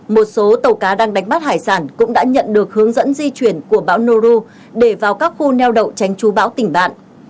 một số tàu cá đang đánh bắt hải sản cũng đã nhận được hướng dẫn di chuyển của bão noru để vào các khu neo đậu tránh chú bão tỉnh bạn